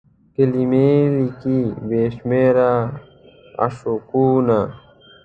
کلمې لیکي بې شمیر عشقونه